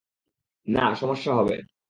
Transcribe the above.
না, সমস্যা হবে।